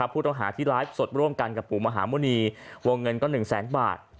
ผู้ต้องหาที่ไลฟ์สดร่วมกันกับปู่มหาหมุณีวงเงินก็๑แสนบาท